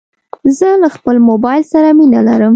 زه له خپل موبایل سره مینه لرم.